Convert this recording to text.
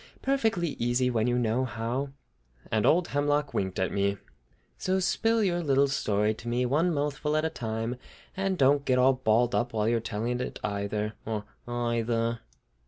Perfectly easy when you know how!" And old Hemlock winked at me. "So spill out your little story to me, one mouthful at a time, and don't get all balled up while you're telling it either, or eyether."